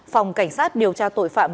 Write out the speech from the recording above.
phòng cảnh sát điều tra tội phạm